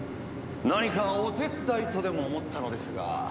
何かお手伝いとでも思ったのですが。